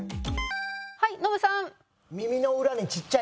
はいノブさん。